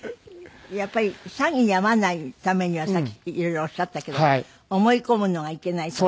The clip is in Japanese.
やっぱり詐欺に遭わないためにはさっき色々おっしゃったけど思い込むのがいけないとか。